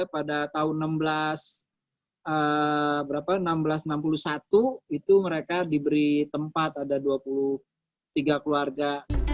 pada tahun seribu enam ratus enam puluh satu itu mereka diberi tempat ada dua puluh tiga keluarga